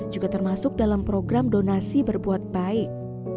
juga termasuk dalam program donasi berbuat baik